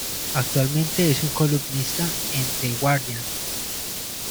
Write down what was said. Actualmente es un columnista en The Guardian.